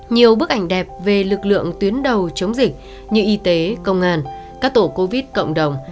nhiều bức ảnh đẹp về lực lượng tuyến đầu chống dịch như y tế công an các tổ covid cộng đồng